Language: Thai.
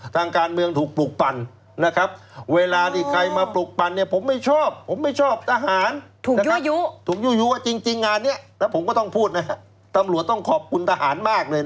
ทางการเมืองถูกปลูกปั่น